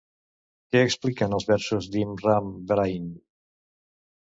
Què expliquen els versos d'Immram Brain?